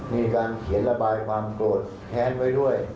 มีการเขียนระบายความโกรธแค้นไว้ด้วย